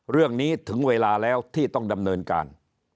เรื่องนี้ถึงเวลาแล้วที่ต้องดำเนินการ